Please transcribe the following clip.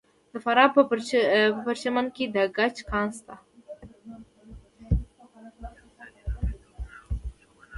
د فراه په پرچمن کې د ګچ کان شته.